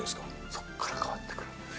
そっから変わってくる。